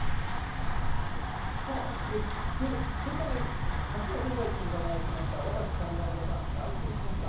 そして初の世界一に輝きました若き侍ジャパンが凱旋しました。